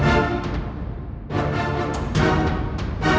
padahal cutie soal pastu